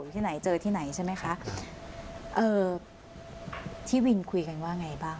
ขายง่ายครับ